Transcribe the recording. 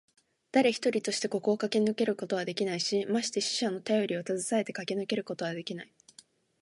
だれ一人としてここをかけ抜けることはできないし、まして死者のたよりをたずさえてかけ抜けることはできない。